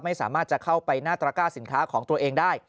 ไม่สามารถจะเข้าไปหน้าตระก้าสินค้าของตัวเองได้